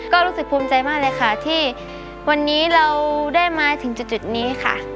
ก็รู้สึกภูมิใจมากเลยค่ะที่วันนี้เราได้มาถึงจุดนี้ค่ะ